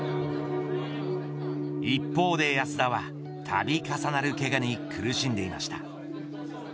一方で安田は度重なるけがに苦しんでいました。